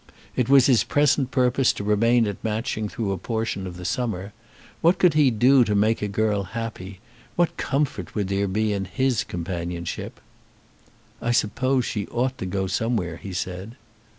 It was his present purpose to remain at Matching through a portion of the summer. What could he do to make a girl happy? What comfort would there be in his companionship? "I suppose she ought to go somewhere," he said.